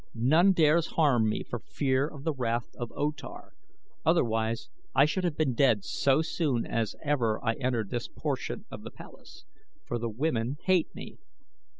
"None dares harm me for fear of the wrath of O Tar otherwise I should have been dead so soon as ever I entered this portion of the palace, for the women hate me.